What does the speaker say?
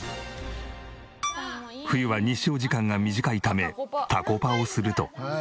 冬は日照時間が短いためタコパをすると。